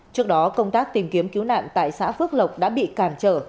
trước đó công tác tìm kiếm cứu nạn tại xã phước lộc đã bị cản trở